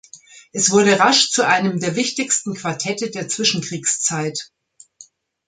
Es wurde rasch zu einem der wichtigsten Quartette der Zwischenkriegszeit.